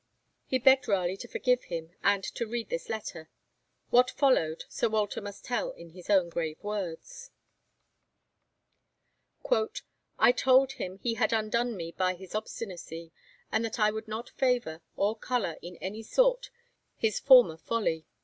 He begged Raleigh to forgive him and to read this letter. What followed, Sir Walter must tell in his own grave words: I told him he had undone me by his obstinacy, and that I would not favour or colour in any sort his former folly.